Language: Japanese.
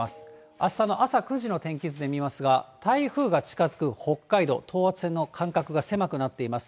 あしたの朝９時の天気図で見ますが、台風が近づく北海道、等圧線の間隔が狭くなっています。